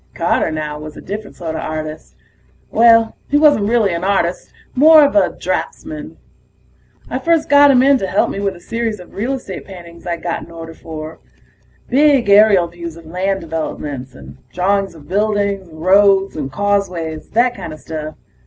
Carter, now, was a different sorta artist. Well, he wasn't really an artist more of a draftsman. I first got him in to help me with a series of real estate paintings I'd got an order for. Big aerial views of land developments, and drawings of buildings, roads and causeways, that kinda stuff.